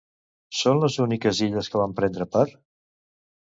Són les úniques illes que van prendre part?